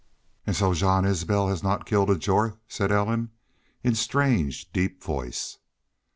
"An' so Jean Isbel has not killed a Jorth!" said Ellen, in strange, deep voice.